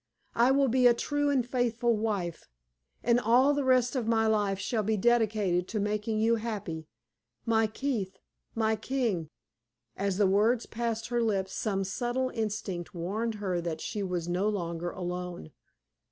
I will be a true and faithful wife, and all the rest of my life shall be dedicated to making you happy my Keith! my king!" As the words passed her lips some subtle instinct warned her that she was no longer alone.